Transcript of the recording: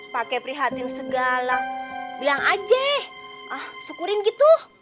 pake prihatin segala bilang aja ah syukurin gitu